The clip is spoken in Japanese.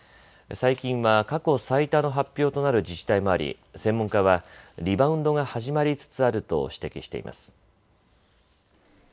最近は過去最多の発表となる自治体もあり専門家はリバウンドが始まりつつあると指摘しています。